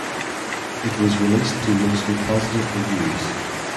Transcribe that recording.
It was released to mostly positive reviews.